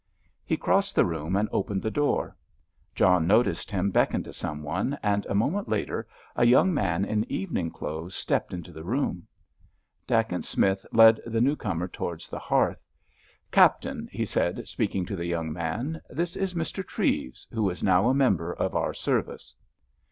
He crossed the room and opened the door. John noticed him beckon to some one, and a moment later a young man in evening clothes stepped into the room. Dacent Smith led the new comer towards the hearth. "Captain," he said, speaking to the young man, "this is Mr. Treves, who is now a member of our service."